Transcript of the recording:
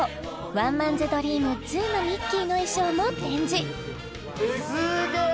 「ワンマンズ・ドリームⅡ」のミッキーの衣装も展示すげえ